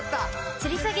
つりさげ